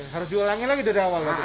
harga ulangnya lagi dari awal